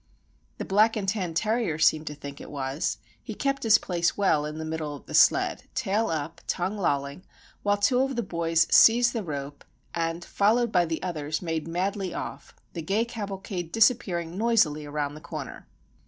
The black and tan terrier seemed to think it was. He kept his place well in the middle of the sled, tail up, tongue lolling, while two of the boys seized the rope and, followed by the others, made madly off,—the gay cavalcade disappearing noisily around the corner.